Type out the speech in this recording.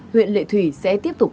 huyện lệ thủy sẽ tiếp tục